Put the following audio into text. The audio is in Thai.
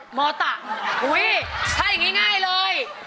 โมตะอุ้ยถ้าอย่างนี้ง่ายเลย